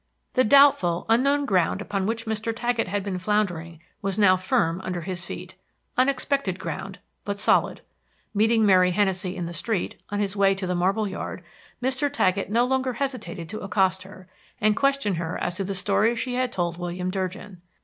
The doubtful, unknown ground upon which Mr. Taggett had been floundering was now firm under his feet, unexpected ground, but solid. Meeting Mary Hennessey in the street, on his way to the marble yard, Mr. Taggett no longer hesitated to accost her, and question her as to the story she had told William Durgin.